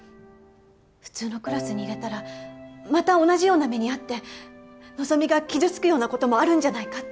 普通のクラスに入れたらまた同じような目にあって希が傷つくような事もあるんじゃないかって。